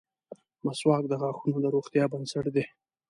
• مسواک د غاښونو د روغتیا بنسټ دی.